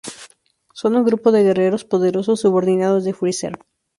Son un grupo de guerreros poderosos subordinados de Freezer.